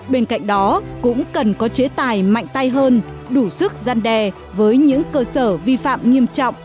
bên cạnh đó cũng cần có chế tài mạnh tay hơn đủ sức gian đe với những cơ sở vi phạm nghiêm trọng